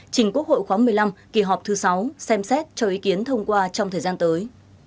trình quốc hội khoáng một mươi năm kỳ họp thứ sáu xem xét cho ý kiến thông qua trong thời gian tới